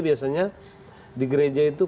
biasanya di gereja itu